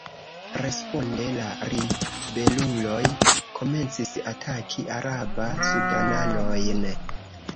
Responde la ribeluloj komencis ataki araba-sudananojn.